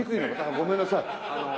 ごめんなさい。